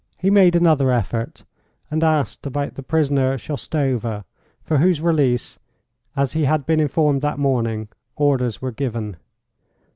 He made another effort, and asked about the prisoner Shoustova, for whose release, as he had been informed that morning, orders were given.